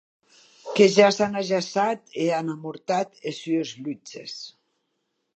Que ja s’an ajaçat e an amortat es sues lutzes.